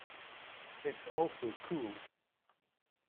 It's also cool.